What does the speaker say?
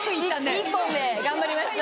１本で頑張りました。